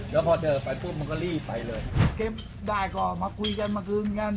แล้วพอเธอไปพูดมันก็รีบไปเลยได้ก็มาคุยกันมาคืนกัน